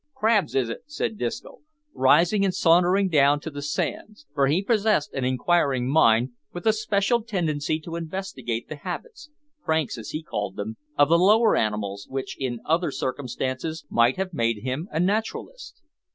"Crabs, is it?" said Disco, rising and sauntering down to the sands; for he possessed an inquiring mind, with a special tendency to investigate the habits (pranks, as he called them) of the lower animals, which, in other circumstances, might have made him a naturalist.